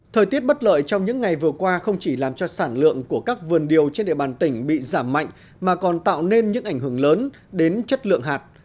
thời tiết bất lợi trong những ngày vừa qua không chỉ làm cho sản lượng của các vườn điều trên địa bàn tỉnh bị giảm mạnh mà còn tạo nên những ảnh hưởng lớn đến chất lượng hạt